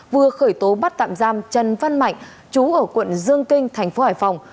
vừa khởi tố bắt tạm giam trần văn mạnh chú ở quận dương kinh thành phố hải phòng